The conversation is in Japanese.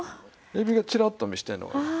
エビがちらっと見してるのが。